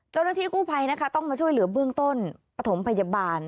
เจ้าหน้าที่กู้ภัยนะคะต้องมาช่วยเหลือเบื้องต้นปฐมพยาบาล